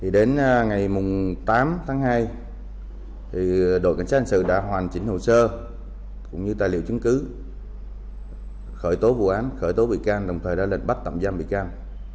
đến ngày tám tháng hai đội cảnh sát hành sự đã hoàn chỉnh hồ sơ tài liệu chứng cứ khởi tố vụ án khởi tố bịa càn đồng thời đã lệnh bắt tạm giam bịa càn